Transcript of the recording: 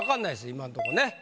今んとこね。